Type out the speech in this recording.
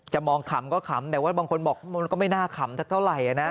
มองขำก็ขำแต่ว่าบางคนบอกมันก็ไม่น่าขำสักเท่าไหร่นะ